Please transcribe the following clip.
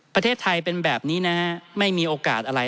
ประเทศไทยเป็นแบบนี้นะฮะไม่มีโอกาสอะไร